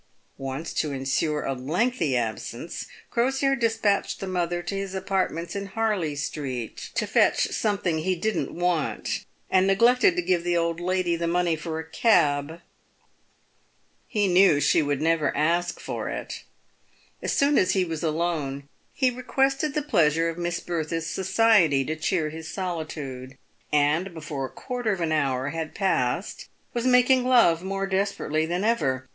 Once, to ensure a lengthy absence, Crosier despatched the mother to his apartments in Harley street to fetch something he didn't want, and neglected to give the old lady the money for a cab. He knew she would never ask for it. As soon as he was alone, he requested the pleasure of Miss Bertha's society to cheer his solitude, and, before a quarter of an hour had passed, was making love more desperately than ever.